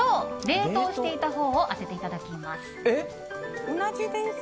冷凍していたほうを当てていただきます。